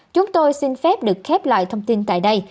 chúng tôi xin phép được khép lại thông tin tại đây